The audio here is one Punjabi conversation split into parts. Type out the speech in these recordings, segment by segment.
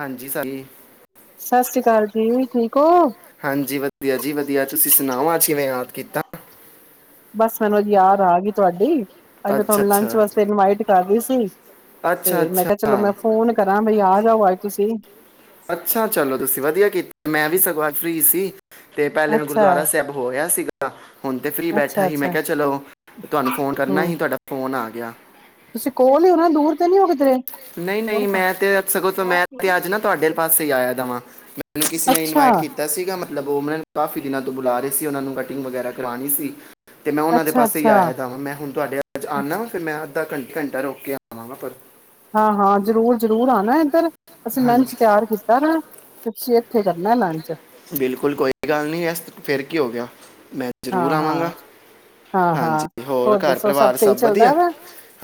ਹਾਂਜੀ ਸੁਣ ਸਤਿ ਸ੍ਰੀ ਅਕਾਲ ਜੀ ਠੀਕ ਹੋ ਹਾਂਜੀ ਵਧੀਆ ਜੀ ਵਧੀਆ ਤੁਸੀਂ ਸੁਣਾਓ ਅੱਜ ਕਿਵੇਂ ਯਾਦ ਕਿ ਕੀਤਾ ਸਾਨੂੰ ਅੱਜ ਯਾਦ ਆ ਗਈ ਤੁਹਾਡੀ ਅੱਜ ਮੈਂ ਅੱਛਾ ਤੁਹਾਨੂੰ ਲੰਚ ਅੱਛਾ ਵਾਸਤੇ ਇਨਵਾਈਟ ਕਰਦੀ ਸੀ ਅੱਛਾ ਤੇ ਮੈਂ ਅੱਛਾ ਕਿਹਾ ਚਲੋ ਮੈਂ ਫੋਨ ਕਰਾਂ ਮੇਰੀ ਯਾਦ ਵਾਾਜ ਤੁਸੀਂ ਅੱਛਾ, ਚਲੋ ਤੁਸੀਂ ਵਧੀਆ ਕੀਤਾ ਮੈਂ ਵੀ ਸਗੋ ਅਜ ਫਰੀ ਸੀ। ਤੇ, ਪਹਿਲੇ ਮੈਂ ਅੱਛਾ ਗੁਰਦੁਆਰਾ ਸਾਹਿਬ ਹੋਇਹਾ ਸੀਗਾ। ਅ ਹੁਣ ਤੇ ਫਰੀ ਬੈਠਾ ਅੱਛਾ ਸੀ, ਮੈਂ ਅੱਛਾ ਕਿਹਾ ਚਲੋ ਤੁਹਾਨੂੰ ਫੋਨ ਕਰਨਾ ਹਮ ਸੀ, ਤੁਹਾਡਾ ਫੋਨ ਆ ਗਿਆ। ਗਿਆ। ਤੁਸੀਂ ਕੋਲ ਹੀ ਹੋ ਨਾ ਦੂਰ ਤੇ ਨੀ ਹੋ ਕਿਧਰੇ ਹੋਰ ਨਹੀਂ-ਨਹੀਂ, ਪਾ ਮੈਂ ਤੇ ਸਗੋਂ ਤੋਂ ਮੈਂ ਤੇ ਅੱਜ ਨਾ ਤੁਹਾਡੇ ਪਾਸੇ ਆਇਆ ਦਵਾਂ। ਮੈਨੂੰ ਕਿਸੇ ਨੇ, ਅੱਛਾ ਇਨਵਾਈਟ ਕੀਤਾ ਸੀਗਾ। ਮਤਲਬ, ਉਹ ਮੈਨ ਕਾਫੀ ਦਿਨਾਂ ਤੋਂ ਬੁਲਾ ਰਹੇ ਸੀ, ਉਹਨਾਂ ਨੂੰ ਕਟਿੰਗ ਵਗੈਰਾ ਕਰਵਾਉਣੀ ਸੀ। ਤੇ ਮੈਂ ਉਹਨਾਂ ਦੇ ਅੱਛਾ ਪਾਸੇ ਹੀ ਅੱਛਾ ਆਇਆਦਾ ਵਾ ਮੈਂ ਹੁਣ ਤੁਹਾਡੇ ਅੱਜ ਆਉਦਾ ਅੱਛਾ ਵ ਫਿਰ ਮੈਂ ਅਧਾ ਘੰਟ-ਘੰਟਾ ਰੂਕ ਕੇ ਆਵਾਂਗਾ ਫਿ ਹਾਂ-ਹਾਂ, ਜ਼ਰੂਰ- ਜ਼ਰੂਰ ਆਨਾ ਇੱਧਰ। ਅਸੀਂ ਲੰਚ ਹਾਂਜੀ ਤਿਆਰ ਕੀਤਾ ਪਿਆ। ਤੁਸੀ ਇੱਥੇ ਕਰਨਾ ਲਨੱਚ। ਬਿਲਕੁਲ, ਕੋਈ ਗੱਲ ਨਹੀਂ ਇਸ ਫੇਿਰ ਕੀ ਹੋ ਗਿਆ? ਮੈਂ ਹਾਂ ਜ਼ਰੂਰ ਆਵਾਂਗਾ, ਹਾਂ ਹਾਂ ਹਾਂ ਹਾਂਜੀ ਹੋਰ ਘਰ ਦੱਸੋ ਪਰਿਵਾਰ ਸਹੀ ਸਭ ਚੱਲਦਾ ਵਧੀਆ, ਵਾ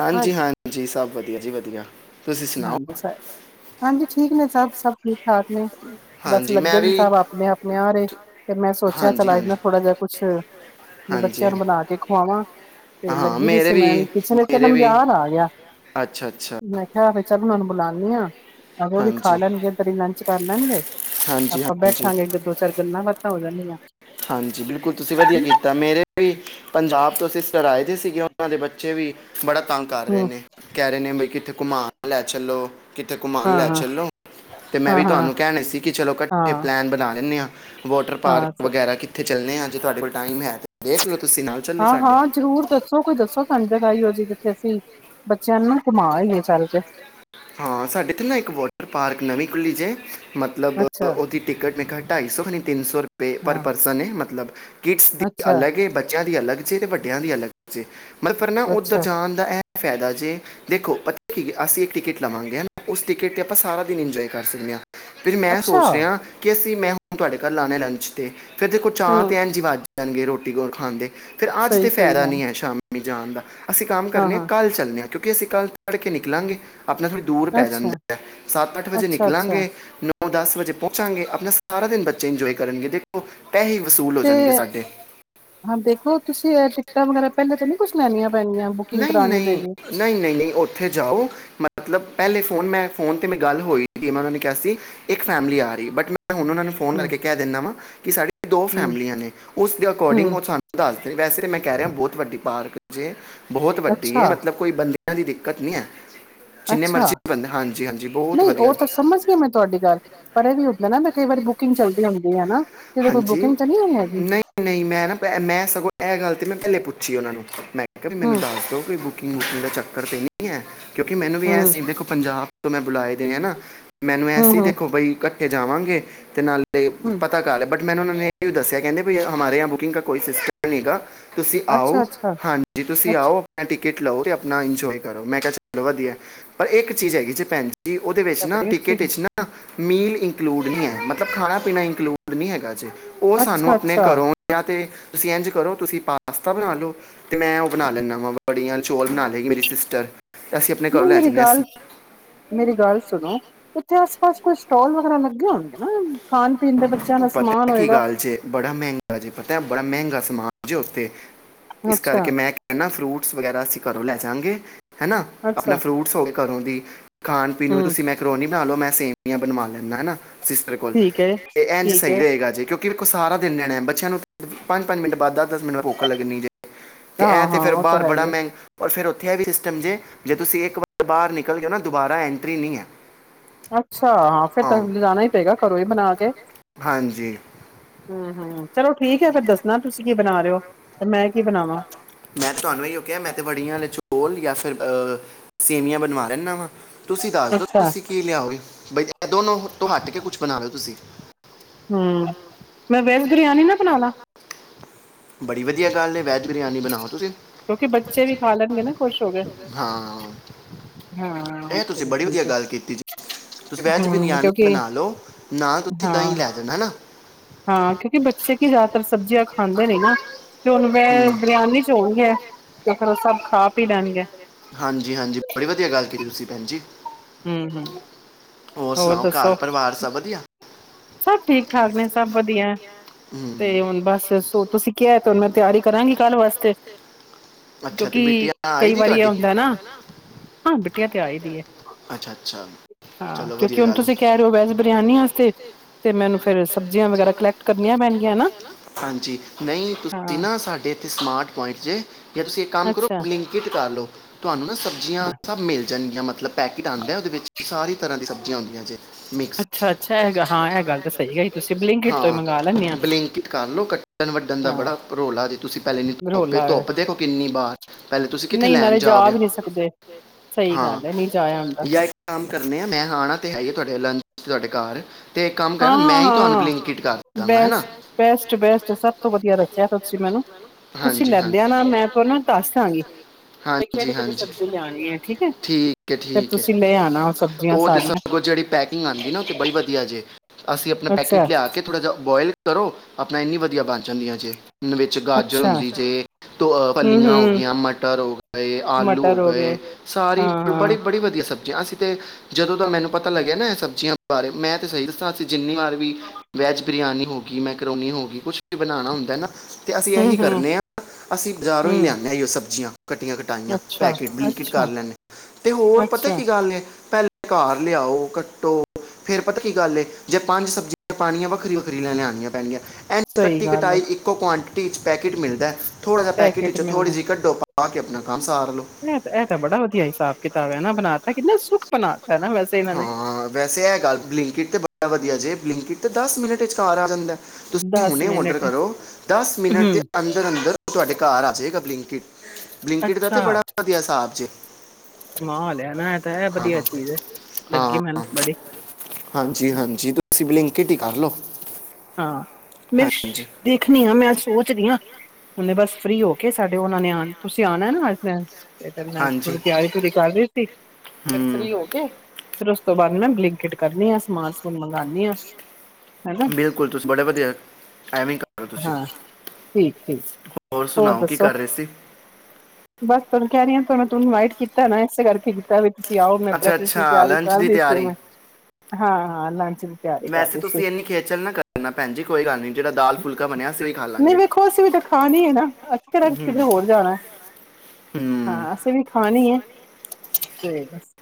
ਹਾਂਜੀ-ਹਾਂਜੀ ਸਭ ਵਧੀਆ ਜੀ ਵਧੀਆ। ਤੁਸੀਂ ਸੁਣਾਓ ਹੰਜੀ ਸ ਹਾਂਜੀ, ਠੀਕ ਨੇ ਸਭ- ਸਭ ਠੀਕ। ਸਾਥ ਨੇ ਬਸ ਹਾਂਜੀ ਮੈਂ ਲੱਗੇ ਨੇ ਵੀ ਸਬ ਆਪਣੇ-ਆਪਣੇ ਆ ਰਹੇ ਤੇ ਮੈਂ ਸੋਚਿਆ ਹਾਂਜੀ ਚਲ ਅਜ ਹਾਂਜੀ ਥੋੜਾ ਜਾ ਕੁਛ ਹਾਂਜੀ ਬੱਚਿਆਂ ਨੂੰ ਬਣਾ ਕੇ ਖਵਾਵਾਂ, ਤੇ ਹਾਂ ਲੱਗੀ ਪਈ ਮੇਰੇ ਸੀ ਮੈਂ ਵੀ ਕਿਚਨ ਚ ਮੇਰੇ ਮੈਨੂੰ ਵੀ ਯਾਦ ਆ ਗਿਆ। ਅੱਛਾ ਅੱਛਾ ਮੈ ਚੱਲ ਉਹਨਾਂ ਨੂੰ ਬੁਲਾਉਾਨੀ ਹਾਂ। ਆਕੇ ਉਹ ਵੀ ਖਾ ਹਾਂਜੀ ਲੈਣਗੇ ਤੇਰੀ ਲੰਚ ਕਰ ਲੈਣਗੇ, ਹਾਂਜੀ ਆਪਾਂ ਹਾਂਜੀ ਬੈਠਾਂਗੇ ਦੋ-ਚਾਰ ਗੱਲਾਂ ਬਾ ਤਧੋ ਲੈਨੀਆ। ਹਾਂਜੀ, ਬਿਲਕੁਲ ਤੁਸੀਂ ਵਧੀਆ ਕੀਤਾ ਮੇਰੇ ਵੀ ਪੰਜਾਬ ਤੋਂ ਸਿਸਟਰ ਆਏ ਤੇ ਸੀਗੇ ਉਹਨਾਂ ਦੇ ਬੇ ਬੱਚੇ ਵੀ ਬੜਾ ਤੰਗ ਕਰ ਰਹੇ ਹਮ ਨੇ ਕਹਿ ਰਹੇ ਨੇ ਵੀ ਕਿੱਥੇ ਘੁੰਮਾ ਲੈ ਚੱਲੋ। ਕਿੱਥੇ ਘੁੰਮਾਨ ਹਾਂ ਲੈ ਹਾਂ ਚਲੋ। ਅਤੇ ਮੈਂ ਹਾਂ ਵੀ ਹਾਂ ਤੁਹਾਨੂੰ ਕਹਿਣੇ ਸੀ ਕਿ ਚਲੋ ਹਾਂ ਇਕੱਠੇ ਪਲੈਨ ਬਣਾਣ ਚਲੇ ਆ। ਵਾਟਰ ਹਾਂ ਪਾਰਕ ਵਗੈਰਾ ਕਿੱਥੇ? ਚੱਲਦੇ ਹਾਂ ਜੇ ਤੁਹਾਡੇ ਕੋਲ ਟਾਈਮ ਹੈ ਤੇ ਦੇਖ ਨੂੰ ਹਾਂ-ਹਾਂ, ਜ਼ਰੂਰ ਦੱਸੋ ਕੋਈ ਦੱਸੋ, ਸਾਨੂੰ ਜਗ੍ਹਈ ਏਹੋਜੀ। ਅਸੀਂ ਬੱਚਿਆਂ ਨੂੰ ਨਾ ਘੂਮਾ ਹੀਏ ਚੱਲ ਕੇ ਹਾਂ, ਸਾਡੇ ਇਥੇ ਨਾ ਇੱਕ ਵੋਟਰ ਪਾਰਕ ਨਵੀਂ ਖੁੱਲੀ ਜੇ। ਮਤਲਬ, ਅੱਛਾ ਉਹਦੀ ਟਿਕਟ ਨਹੀਂ ਘੱਟ ਢਾਈ ਸੌ ਖੀ, ਤਿੰ ਸੌ ਰ ਪੇ ਹਾਂ ਪਰਸਨ ਹੈ, ਮਤਲਬ। ਕਿਡਸ ਦੀ ਅੱਛਾ ਅਲਗ ਹੈ, ਬੱਚਿਆਂ ਦੀ ਅਲਗ। ਬੱਚੇ ਤੇ ਵੱਡਿਆਂ ਲਈ ਅਲੱਗ ਬੱਚੇ ਮਤਲਬ, ਨਾ ਉੱਧਰ ਅੱਛਾ ਜਾਣ ਦਾ ਹੈ। ਫਾਇਦਾ ਜੇ, ਦੇਖੋ ਪਤਾ ਕੀ ਅਸੀਂ ਇੱਕ ਟਿਕਟ। ਲਵਾਂਗੇ ਹੈ, ਨਾ ਉਸ ਟਿਕਟ 'ਤੇ ਆਪਾਂ ਸਾਰਾ ਦਿਨ ਇੰਜੋਏ ਕਰ ਸਕਦੇ ਹਾਂ। ਫਿਰ ਮੈਂ ਅੱਛਾ ਸੋਚ ਰਿਹਾ ਕਿ ਅਸੀਂ ਮੈਂ ਤੁਹਾਡੇ ਘਰ ਲਾਣੇ ਲੰਚ ਤੇ। ਫਿਰ ਦੇਖੋ ਅਤੇ ਹਾਂ ਐਂ ਜੀ ਵਵਾਜ਼ੀ ਜਾਣਗੇ ਰੋਟੀ ਕੋਲ ਖਾਣ ਦੇ ਫਿਰ ਅੱਜ ਸਹੀ ਤੇ ਸਹੀ ਫਾਇਦਾ ਗੱਲ ਨਹੀਂ ਹੈ, ਸ਼ਾਮੀ। ਜਾਣ ਦਾ। ਅਸੀਂ ਕੰਮ ਹਾਂ ਕਰਨੇ ਹਾਂ ਕੱਲ ਚੱਲਦੇ ਹਾਂ। ਕਿਉਂਕਿ ਅਸੀਂ ਕੱਲ੍ਹ ਤੜਕੇ ਨਿਕਲਾਂਗੇ। ਆਪਣਾ ਥੋੜ੍ਹੀ ਦੂਰ ਪੈ ਜਾਂਦੀ ਅੱਛਾ, ਹੈ, ਸੱਤ ਅੱਠ ਵਜੇ ਅੱਛਾ-ਅੱਛਾ ਨਿਕਲਾਂਗੇ, ਨੌਂ- ਦਸ ਵਜੇ ਪਹੁੰਚਾਂਗੇ ਆਪਣਾ ਸਾਰਾ ਦਿਨ ਬੱਚੇ ਇੰਜੋਏ ਕਰਨਗੇ, ਦੇਖੋ। ਪੈਸੇ ਵਸੂਲ ਹੋ ਤੇ ਜਾਣਗੇ ਸਾਡੇ ਹਾਂ, ਦੇਖੋ ਤੁਸੀਂ ਟਿਕਟਾਂ ਵਗੈਰਾ ਪਹਿਲਾ ਤਾਂ ਨ ਕੁਛ ਲੈਣੀਆਂ ਪੈਣੀਆਂ ਬੁਕਿੰਗ ਨਹੀਂ ਕਰਾਣੀ ਨਹੀਂ ਪੈਣੀ। ਨਹੀਂ ਨਹੀਂ ਨਹੀਂ ਉੱਥੇ ਜਾਓ ਮਤਲਬ ਪਹਿਲੇ ਫੋਨ ਮੈਂ ਫੋਨ ਤੇ ਮੈਂ ਗੱਲ ਹੋਈ ਜੀ, ਮੈਂ ਉਹਨਾਂ ਨੇ ਕਿਹਾ ਸੀ ਇੱਕ ਫੈਮਿਲੀ ਆ ਰਹੀ ਬਟ ਮੈਂ ਹੁਣ, ਉਹਨਾਂ ਨੂੰ ਫੋਨ ਹੂੰ, ਕਰਕੇ ਕਹਿ ਦਿੰਦਾ ਵਾਂ। ਕਿ ਸਾਡੀ ਦੋ ਹੂੰ, ਫੈਮਲੀਆਂ ਨੇ ਉਸ ਦੇ ਅਕੋਰਡਿੰਗ ਹੂੰ ਉਹ ਸਾਨੂੰ ਦੱਸ ਵੈਸੇ ਮੈਂ ਕਹਿ, ਰਿਹਾ ਬਹੁਤ ਵੱਡੀ ਪਾਰਕ ਜੇ। ਬਹੁਤ ਵੱਡੀ ਅੱਛਾ, ਹੈ, ਮਤਲਬ ਕੋਈ ਬੰਦੀ ਇਨਾਂ ਦੀ ਦਿੱਕਤ ਨਹੀਂ ਹੈ। ਜਿੰਨੇ ਮਰਜ਼ੀ ਅੱਛਾ, ਬੰਦੇ ਹਾਂਜੀ ਹਾਂਜੀ ਬਹੁਤ ਨਹੀਂ ਉਹ ਵਧੀਆ ਤਾਂ ਜੀ। ਸਮਝਦੀ ਮੈਂ ਤੁਹਾਡੀ ਗੱਲ ਪਰ ਇਹ ਵੀ ਹੈਨਾ, ਕਈ ਵਾਰ ਬੁਕਿੰਗ ਚੱਲਦੀਆਂ ਹੁੰਦੀਆਂ, ਹੈਨਾ। ਹਾਂਜੀ, ਨਹੀਂ-ਨਹੀਂ, ਮੈਂ ਨਾ ਮੈਂ ਸਗੋਂ ਇਹ ਗੱਲ ਤੇ ਮੈਂ ਪਹਿਲੇ ਪੁੱਛ ਪੁੱਛੀ, ਉਹਨਾਂ ਨੂੰ ਮੈਂ। ਕ ਮੈਨੂੰ ਹੂੰ, ਦੱਸ ਦਿਓ ਕੋਈ ਬੁਕਿੰਗ ਵੁਕਿੰਗ ਦਾ ਚੱਕਰ ਤੇ ਨਹੀਂ [inaudible] ਕੀ ਹੈ? ਕਿਉਂਕਿ, ਮੈਨੂੰ ਵੀ ਇਹ ਹੂੰ, ਸੀ ਦੇਖੋ ਪੰਜਾਬ ਤੁ ਮੈਂ ਬੁਲਾਏ ਤੇ ਐਂਨਾ ਮੈਨੂੰ ਹੂੰ, ਐਸੀ ਹੂੰ, ਦੇਖੋ ਬਈ ਜਾਵਾਂਗੇ ਤੇ ਨਾਲ ਤੇ ਹੂੰ ਪਤਾ ਬਟ ਮੈਨੂੰ ਉਹਨਾਂ ਨੇ ਇਹ ਵੀ ਦੱਸਿਆ ਕਹਿੰਦੇ ਵੀ ਹਮਾਰ ਯਹਾ ਬੁਕਿੰਗ ਦਾ ਕੋਈ ਸਿਸਟਮ ਨਹੀਂ ਹੈਗਾ। ਤੁਸੀਂ ਆਓ ਅੱਛਾ-ਅੱਛਾ, ਹਾਂਜੀ ਤੁਸੀਂ ਆਓ ਕਿਟ ਲਓ ਤੇ ਆਪਣਾ ਇੰਜੋਏ ਕਰੋ ਮੈਂ ਕਿਹਾ ਚਲੋ ਵਧੀਆ ਪਰ ਇੱਕ ਚੀਜ਼ ਹੈਗੀ ਜੇ ਭੈਣ ਕੀ ਉਹਦੇ ਵਿੱਚ ਅੱਛਾ ਨਾ ਬੜੀ ਅੱਛੀ ਟਿੱਕੇਟ ਵਿਚ ਨਾ ਮੀਲ ਇੰਕਲੂਡ ਨਹੀਂ ਹੈ ਮਤਲਬ ਖਾਣਾ-ਪੀਣਾ ਇੰਕਲੂ ਨਹੀਂ ਹੈਗਾ ਜੇ। ਉਹ ਸਾਨੂੰ ਆਪਣੇ ਅੱਛਾ-ਅੱਛਾ ਘਰੋਂ ਯਾ ਤੇ ਤੁਸੀਂ ਇੰਝ ਕਰੋ ਤੁਸੀਂ ਪਾਸਤਾ ਬਣਾ ਲਉ ਤੇ ਮੈਂ ਉਹ ਬਣਾ ਲੈਂਦਾ ਵਾਂ ਵੜੀਆਂ ਚੌਲ ਬਣਾ ਲਏਗੀ ਮੇਰੀ ਸਿਸਟਰ। ਅਸੀਂ ਆਪਣੇ ਘਰੋਂ ਨਹੀਂ ਲੈ ਮੇਰੀ ਜੰਨੇ ਗੱਲ ਹਾਂ ਸੁ ਮੇਰੀ ਗੱਲ ਸੁ ਸੁਣੋ ਉੱਥੇ ਆਸ ਪਾਸ ਕੋਈ ਸਟੋਲ ਵਗੈਰਾ ਲੱਗੇ ਹੋਣਗੇ ਨਾ। ਖਾਣ ਪੀਣ ਦੇ ਬੱਚਿਆਂ ਦਾ ਸਮਾਨ ਪਤਾ ਕੀ ਹੋਏਗਾ ਗੱਲ ਜੇ ਬੜਾ ਮਹਿੰਗਾ ਜੇ ਪਤਾ ਬੜਾ ਮਹਿੰਗਾ ਸਮਾਨ ਜੇ ਉੱਥੇ। ਇਸ ਕਰਕੇ ਅੱਛਾ, ਮੈਂ ਕਹਿਣਾ ਫਰੂਟ ਵਗੈਰਾ ਅਸੀਂ ਘਰੋਂ ਲੈ ਜਾਂਗੇ। ਹੈਨਾ ਆਪਣਾ ਅੱਛਾ ਫਰੂਟਸ ਹੋ ਗੇ ਘਰੋਂ ਦੀ ਖਾਣ-ਪੀਣ ਵੀ ਹੂੰ ਤੁਸੀਂ ਮੇਕਰੋਨੀ ਬਣਾ ਲੋ ਮੈਂ ਸੇਵੀਆਂ ਬਣਵਾ ਲੈਂਦਾ ਹੈਨਾ। ਸਿਸਟਰ ਕੋਲ। ਠੀਕ ਹੈ ਇਹ ਇਂਝ ਠੀਕ ਸਹੀ ਹੈ ਰਹੇਗਾ ਜੇ ਕਿਉਂ ਕਿ ਕੁ ਸਾਰਾ ਦਿਨ ਰਹਿਣਾ ਬੱਚਿਆਂ ਨੂੰ ਪੰਜ-ਪੰਜ ਮਿੰਟ ਬਾਅਦ ਦਸ-ਦਸ ਮਿੰਟ ਭੁੱਖ ਲੱਗਣੀ ਜੇ। ਤੇ ਹਾਂ ਐਂ ਤੇ ਹਾਂ ਫਿਰ ਉਹ ਤਾਂ ਬਾਹਰ ਹੈ ਬੜਾ ਹੀ ਹੈ ਮਹਿੰਗ ਔਰ ਫਿਰ ਉਥ ਇਹ ਵੀ ਸਿਸਟਮ ਜੇ, ਜੇ ਤੁਸੀਂ ਇੱਕ ਵਾਰ ਬਾਹਰ ਨਿਕਲ ਗਏ ਨਾ ਦੁਬਾਰਾ ਐਂਟਰੀ ਨਹੀਂ ਹੈ। ਅੱਛਾ ਹਾਂ ਫੇਰ ਤੁਹਾਨੂੰ ਲਜਾਣਾ ਹੀ ਪਏਗਾ ਘਰੋਂ ਹੀ ਬਣਾ ਕੇ ਹਾਂਜੀ ਹਾਂ ਚਲੋ ਠੀਕ ਹੈ ਫੇਰ ਦੱਸਣਾ ਤੁਸੀਂ ਕੀ ਬਣਾ ਰਹੇ ਹੋ ਤੇ ਮੈਂ ਕੀ ਬਣਾਵਾਂ। ਮੈਂ ਤੁਹਾਨੂੰ ਉਹ ਕਿਹਾ ਮੈਂ ਤੇ ਬੜੀਆਂ ਵਾਲੇ ਚੋਲ ਜਾਂ ਫਿਰ ਅਹ ਸੇਵੀਆਂ ਬਣਵਾ ਲੈਨਾ ਵਾਂ। ਤੁਸੀਂ ਦੱਸਦੋ ਅੱਛਾ ਤੁਸੀਂ ਕੀ ਲਿਆਓਗੇ? ਬਈ ਇਹ ਦੋਨੋਂ ਤੋਂ ਹਟ ਕੇ ਕੁਛ ਬਣਾ ਲਿਓ ਤੁਸੀਂ ਹਮ ਮੈਂ ਵੇਜ ਬਰਿਆਨੀ ਨਾ ਬਣਾ ਲਾ ਬੜੀ ਵਧੀਆ ਗੱਲ ਨੇ ਵੈਜ ਬਰਿਆਨੀ ਬਣਾਓ ਤੁਸੀਂ ਕਿਉਂਕਿ ਬੱਚੇ ਵੀ ਖਾ ਲੈਣਗੇ ਨਾ ਖੁਸ਼ ਹੋ ਕੇ ਹਾਂ ਹਾਂ ਇਹ ਤੁਸੀਂ ਚਲੋ ਬੜੀ ਵਧੀਆ ਠੀਕ ਹੈ ਗੱਲ ਕੀਤੀ ਤੁਸੀਂ ਵੈਜ ਹਮ ਬਰਿਆਨੀ ਕਿਉਂਕਿ ਬਣਾ ਲਓ ਨਾ ਤੁਸੀਂ ਹਾਂ ਦਹੀਂ ਲੈ ਜਾਣਾ ਹੈਨਾ ਹਾਂ ਕਿਉਂਕਿ ਬੱਚੇ ਕੀ ਜ਼ਿਆਦਾਤਰ ਸਬਜ਼ੀਆਂ ਖਾਂਦੇ ਨ ਨਾ ਮੈਂ ਹਮ, ਬਿਰਿਆਨੀ ਚੋਲ ਤੇ ਫਰ ਉਹ ਸਭ ਖਾ ਪੀ ਲੈਣਗੇ ਹਾਂਜੀ ਹਾਂਜੀ ਬੜੀ ਵਧੀਆ ਗੱਲ ਕਿਤੀ ਤੁਸੀਂ ਭੈਣ ਜੀ ਹਮ ਹਮ ਹੋਰ ਸੁਣਾਓ ਘਰ ਪਰਿਵਾਰ ਸਭ ਵਧੀਆ ਸਭ ਠੀਕ ਠਾਕ ਨੇ ਸਭ ਵਧੀਆ ਹਮ ਤੇ ਹੁਣ ਬਸ ਸੋ ਤੁਸੀਂ ਕਿਹਾ ਤੁਹਾਨੂੰ ਮੈਂ ਤਿਆਰੀ ਕਰਾਂਗੀ ਕੱਲ੍ਹ ਵਾਸਤੇ ਅੱਛਾ ਤੇ ਕਿਉਂਕਿ ਬਿਟੀਆ ਆਈ ਕਈ ਦੀ ਵਾਰੀ ਇਹ ਤੁਹਾਡੀ ਹੁੰਦਾ ਨਾ ਹਾਂ ਬਿੱਟੀਆ ਆਈ ਦੀ ਹੈ ਅੱਛਾ ਅੱਛਾ ਹਾਂ ਚਲੋ ਕਿਉਂਕਿ ਵਧੀਆ ਹੁਣ ਗੱਲ ਤੁਸੀਂ ਕਹਿ ਰਹੇ ਹੋ ਵੇਜ ਬਰਿਆਨੀ ਵਾਸਤੇ ਮੈਨੂੰ ਫੇਿਰ ਸਬਜ਼ੀਆਂ ਵਗੈਰਾ ਕਲੈਕਟ ਕਰ ਣੀਆਂ ਪੈਣਗੀਆਂ ਹਨਾ ਹਾਂਜੀ ਨਹੀਂ ਤੁਸੀਂ ਨਾ ਸਾਡੇ ਇੱਥੇ ਸਮਾਰਟ ਪੁੰਟ ਜ ਜਾਂ ਤੁਸੀਂ ਇੱਕ ਕੰਮ ਕਰੋ ਅੱਛਾ ਬਲਿੰਕ ਕਿਟ ਕਰ ਲੋ ਤੁਹਾਨੂੰ ਨਾ ਸਬਜ਼ੀਆਂ ਹਾਂ ਸਭ ਮਿਲ ਜੰ ਜਾਂੀਆਂ ਮਤਲਬ ਪੈਕਟ ਆਉਂਦਾ ਹੈ ਉਹਦੇ ਵਿੱਚ ਸਾਰੀ ਤਰ੍ਹਾਂ ਦੀ ਸਬਜੀ ਹੁੰਦੀਆ ਜੇ ਮਿਕਸ ਅੱਛਾ ਅੱਛਾ ਇਹ ਹਾਂ ਇਹ ਗੱਲ ਤਾਂ ਸਹੀ ਹੈ ਤੁਸੀਂ ਬਲਿੰਕਟ ਤੋਂ ਹੀ ਹਾਂ ਮੰਗਵਾ ਲੈਂਦੇ ਆ ਲਿਆ। ਬਲਿੰਕਿਟ ਕਰ ਲਓ ਕੱਟਣ ਵੱਢਣ ਦਾ ਹਾਂ ਬੜਾ ਰੋਲਾ ਜ ਤੁਸੀਂ ਪਹਿਲੇ ਨ ਧ ਰੋਲਾ ਧੁੱਪ ਦੇਖੋ ਕਿੰਨੀ ਬਾਰ ਪਹਿਲੇ ਤੁਸੀਂ ਕਿੱਥੇ ਨਹੀਂ ਲੈਣ ਨਾਲੇ ਜਾ ਜਾਓਗੇ ਵੀ ਨਹੀਂ ਸਕਦੇ ਸਹੀ ਹਾਂ ਗੱਲ ਹੈ ਨਹੀਂ ਜਾਇਆ ਹੁੰਦਾ ਜਾਂ ਇੱਕ ਕੰਮ ਕਰਨੇ ਆ ਮੈਂ ਆਣਾ ਤੇ ਹੈ ਹੀ ਤੁਹਾਡੇ ਵਾਲ ਨੂੰ ਤੁਹਾਡੇ ਘਰ ਅਤੇ ਇੱਕ ਕੰਮ ਕਰ ਨਾ ਹਾਂ ਮੈਂ ਹੀ ਤੁਹਾਨੂੰ ਹਾਂ ਬਲਿੰਕਟ ਕਰ ਦਾਂਗਾ ਹੈ ਨਾ ਬੈਸਟ ਬੈਸਟ ਬੈਸਟ ਸਭ ਤੋਂ ਵਧੀਆ ਰਚਿਆ ਤੁਸੀਂ ਮੈਨੂੰ, ਤੁਸੀਂ ਹਾਂਜੀ ਹਾਂਜੀ ਲੈਂਦੇ ਨਾ ਮੈਂ ਤੁਹਾਨੂੰ ਦੱਸ ਦਾਂਗੀ ਹਾਂਜੀ ਕਿਹੜੀ ਕਿਹੜੀ ਹਾਂਜੀ ਸਬਜ਼ੀ ਲਿਆਣੀ ਆ, ਠੀਕ ਹੈ ਠੀਕ ਹੈ ਫਰ ਠੀਕ ਹੈ ਤੁਸੀਂ ਲੈ ਆਣਾ ਸਬਜ਼ੀਆਂ ਉਹ ਤੇ ਸਾਰੀਆਂ ਸਗੋਂ ਜਿਹੜੀ ਪੈਕਿੰਗ ਆਂਦੀ ਨਾ ਉਹ ਤੇ ਬੜੀ ਵਧੀਆ ਜੇ ਅਸੀਂ ਆਪਣਾ ਅੱਛਾ ਪੈਕੇਟ ਲਿਆ ਕੇ ਥੋੜ੍ਹਾ ਜਿਹਾ ਬੋਆਇਲ ਕਰੋ ਆਪਣਾ ਇੰਨੀ ਵਧੀਆ ਬਣ ਜਾਂਦੀ ਹ ਜੇ ਵਿੱਚ ਗਾਜਰ ਅੱਛਾ ਹੁੰਦੀ ਜੇ ਤ ਹੂੰ ਪਲੀਆਂ ਹੋ ਹੂੰ ਗਈਆਂ ਮਟਰ ਹੋ ਗਏ ਆਲੂ ਹੋ ਗਏ ਹਾਂ ਸਾਰੀ ਬੜੀ ਹਾਂ ਬੜੀ ਵਧੀਆ ਸਬਜ਼ੀ ਕਿਆ ਸੀ ਤੇ, ਜਦੋਂ ਦਾ ਮੈਨੂੰ ਪਤਾ ਲੱਗਿਆ ਨਾ ਇਹ ਸਬਜ਼ੀਆਂ ਬਾਰੇ ਮੈਂ ਤੇ ਸਹੀ ਦੱਸਾਂ ਅ ਜਿੰਨੀ ਵਾਰ ਵੀ ਵੈਜ ਬਿਰਿਆਨੀ। ਹੋਗੀ ਮੈਂ ੋ ਹੋਗੀ ਕੁਛ ਵੀ ਬਣਾਣਾ ਹੁੰਦਾ ਨ, ਫੇ ਤੇ ਅਸੀਂ ਹੂੰ ਇਹੀ ਹੂੰ ਕਰਨੇ ਆ। ਅਸੀਂ ਬਜ਼ਾਰੋਂ ਹੀ ਹੂੰ ਲਿਆਦੇ ਹ ਸਬਜ਼ੀਆਂ ਕੱਟੀਆਂ, ਕਟਾਈਆਂ ਅੱਛਾ ਪੈਕੇਟ ਬਲਿੰਕਟ ਕਰ ਅੱਛਾ ਲੈਂਦੇ ਹਾਂ, ਤੇ ਹੋਰ ਪਤਾ ਅੱਛਾ ਕੀ ਗੱਲ ਪਹਿ ਘਰ ਲਿਆਓ, ਕੱਟੋ ਫੇਰ ਪਤਾ ਕੀ ਗੱਲ ਏ, ਜੇ ਪੰਜ ਸਬਜ਼ੀਆਂ ਪਾਣੀਆਂ ਵੱਖਰੀ- ਵੱਖਰੀ ਲੈ ਲਿਆਣੀ ਆਂ। ਪਾਂ ਐਨ ਸਹੀ ਕੱਟੀ, ਗੱਲ ਹੈ ਕਟਾਈ ਇੱਕੋ ਕੁਆਂਟ ਟੀ ਪੈਕੇਟ ਮਿਲਦਾ, ਥੋੜਾ ਜ ਪੈਕਟ ਪੈਕੇਟ ਚੋਂ, ਥੋੜੀ ਮਿਲਦਾ ਜਹੀ ਕੱਢੋ, ਪਾ ਪਾ ਕੇ ਆਪਣਾ, ਕੰਮ ਸਾਰ ਲਓ ਇਹ, ਇਹ ਤਾਂ, ਬੜਾ ਵਧੀਆ ਹਿਸਾਬ-ਕਿਤਾਬ ਹੈ, ਨਾ ਬਨਾ ਕਿੰਨਾ ਸੁਖਪਨਾ ਹਾਂ ਵੈਸੇ ਇਹ ਗੱਲ ਬਲਿੰਕਿਟ ਤੇ ਬੜਾ ਵਧੀਆ ਜੇ। ਬਿਲਿੰਕਿ ਅਤੇ ਦਸ ਮਿੰਟ ਚ ਘਾਰ ਆ ਜਾਂਦਾ ਏ। ਤੁਸੀਂ ਦਸ ਹੁਣੇ ਓਡਰ ਮਿੰਟ ਕਰੋ, ਦਸ ਮਿਨਟ ਹੂੰ ਦੇ ਅੰਦਰ-ਅੰਦਰ ਤੁਹਾਡੇ ਘਰ ਆ ਜੇਗਾ। ਲਿੰਕਿਡ ਬਲਿੰਕਿਟ ਦਾ ਤੇ ਬੜਾ ਵਧੀਆ ਹਸਾਬ ਜੇ। ਮਾਲ ਹੈ ਨਾ, ਇਹ ਤਾਂ ਇਹ ਹਾਂ ਵਧੀਆ ਹਾਂ ਚੀਜ਼ ਏ। ਹਾਂ, ਹਾਂਜੀ-ਹਾਂਜੀ ਤੁਸੀਂ ਬਲਿੰਕਿਟ ਹੀ ਕਰ ਲਓ। ਮੇ ਹਾਂਜੀ ਦੇਖਣੀ ਹ, ਮੈਂ ਸੋਚ ਰਹੀ ਹਾਂ। ਉਹਨੇ ਬਸ ਫ੍ਰੀ ਹੋ ਕੇ, ਸਾਡੇ ਉਹਨਾਂ ਨੇ ਆ ਤੁਸੀਂ ਆਉਣਾ ਨਾ ਥੋੜ ਹਾਂਜੀ ਤਿਆਰੀ, ਤੂਰੀ ਕਰ ਰਹੀ ਸੀ। ਫਿਰ ਹੂੰ ਫ੍ਰੀ ਹੋ, ਕੇ। ਫਿਰ ਉਸ ਤੋਂ ਬਾਅਦ ਮੈਂ ਬਲਿੰਕਟ ਕਰਨੀ ਹਾਂ, ਸਮਾਨ ਸਮੂਨ ਮੰਗਾਂਨੀ ਆ। ਹਨਾ ਬਿਲਕੁਲ। ਤੁਸੀਂ ਬੜੇ ਵਧੀਆ ਕਰ ਰਹੇ ਤੁਸੀਂ। ਹਾਂ ਠੀਕ ਠੀਕ ਹੋਰ ਸੁਣਾਓ ਕੀ ਕਰ ਰਹੇ ਸੀ? ਬਸ ਤੁਹਾਨੂੰ ਕਹਿ ਰੀ ਆਂ, ਮੈਂ ਤੁਹੂੰ ਵਾਈਟ ਕੀਤਾ ਨਾ, ਇਸੇ ਕਰਕੇ ਕੀਤਾ ਵੇ ਤੁਸੀਂ ਆਓ ਮੈਂ ਪ੍ਰੈ ਅੱਛਾ ਦੀ ਅੱਛਾ ਤਿਆਰੀ ਲੰਚ ਦੀ ਕਰਦੀ ਸੀ, ਤਿਆਰੀ ਮੈਂ ਹਾਂ-ਹਾਂ ਲੰਚ ਦੀ ਤਿਆਰੀ ਵੈਸੇ ਕਰਦੀ ਸੀ, ਤੁਸੀਂ ਇੰਨੀ ਖੇਚਲ ਨਾ ਕਰਨਾ ਭੈਣ ਜੀ ਕੋਈ ਗੱਲ ਨਹੀਂ ਜਿਹੜਾ ਦਾਲ ਫੁਲਕਾ ਬਣਿਆ ਸੀ ਉਹੀ ਖਾ ਨਹੀਂ ਲਾਂਗੇ ਵੇਖੋ ਅਸੀਂ ਵੀ ਤਾਂ ਖਾਣੀ ਏ, ਨਾ ਅਸੀ ਘਰ ਕਿਤੇ ਹੋਰ ਜਾਣਾ ਹੂੰ ਹਾਂ ਅਸੀਂ ਵੀ। ਹਾਣੀ ਹੈ। ਹੀਗਾ ਸ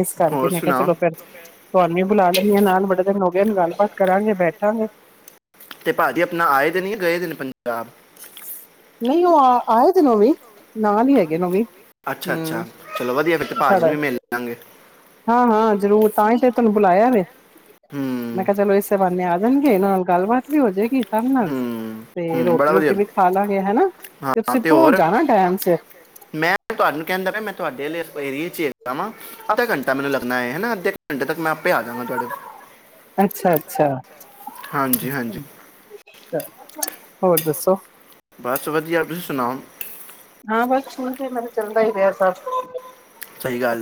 ਇਸ ਕਰਕੇ ਹੋਰ ਮੈਂ ਕਿਹਾ ਸੁਣਾਓ ਚਲੋ, ਫਿਰ ਤੁਹਾਨੂੰ ਵੀ ਬੁਲਾ ਲੈਂਨੀ ਆ ਨਾਲ ਬੜੇ ਦਿ ਨ ਗੱਲਬਾਤ ਕਰਾਂਗੇ ਬੈਠਾਂਗੇ। ਤੇ ਭਾਜੀ ਆਪਣਾ ਆਏ ਦਿਨ ਯਾ ਗਏ ਦਿਨ ਪੰਜਾਬ। ਨਹੀਂ ਉਹ ਆ ਆਏ ਦਿਨ ਓਵੀ। ਅੱਛਾ ਅੱਛਾ, ਚਲੋ ਵਧੀਆ ਫੇਰ ਤੇ ਭਾਜੀ ਨੂੰ ਸਾਡਾ ਵੀ ਮਿਲ ਲਾਂਗੇ। ਹਾਂ ਹਾਂ ਜ਼ਰੂਰ ਤਾਂ ਹੀ ਤੇ ਫਿਰ ਤੁਹਾਨੂੰ ਬੁਲਾਇਆ ਵੇ, ਮੈਂ ਹੂੰ ਕਿਹਾ ਚਲੋ ਇਸੇ ਬਾਹਨੇ ਆ ਜਾਣਗੇ ਨਾਲ ਗੱਲਬਾਤ ਵੀ ਹੋ ਜੇਗੀ। ਸਭ ਨਾਲ, ਹੂੰ ਤੇ ਹੂੰ ਬੜਾ ਰੋਟੀ ਵਧੀਆ ਰੂਟੀ ਵੀ ਖਾ ਲਾਂਗੇ ਹੈਨਾ। ਹਾਂ ਤੇ ਹੋਰ, ਮੈਂ ਤੁਹਾਨੂੰ ਕਹਿੰਦਾ ਪਿਆ, ਮੈਂ ਤੁਹਾਡੇ ਆਲੇ ਏਰੀਏ ਚ ਹੈਗਾ ਵਾਂ। ਅੱਧਾ ਘੰਟਾ ਮੈਨੂੰ ਲੱਗਣਾ ਏ, ਹੈਨਾ ਅੱਧੇ ਘੰਟੇ ਤੱਕ ਮੈਂ ਆਪੇ ਆ ਜਾਂਗਾ ਤੁਹਾਡੇ ਕੋਲ। ਅੱਛਾ ਅੱਛਾ। ਹਾਂਜੀ ਹਾਂਜੀ ਹ ਚ [unintelligible] ਹੋਰ ਦੱਸੋ। ਬਸ ਵਧੀਆ ਤੁਸੀਂ ਸੁਣਾਓ। ਫੇਰ ਮੈਨੂੰ ਚੱਲਦਾ ਹੀ ਰਿਹਾ ਸਬ। ਸਹੀ ਗੱਲ ਹੈ।